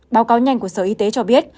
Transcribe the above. báo cáo nhanh của sở y tế cho biết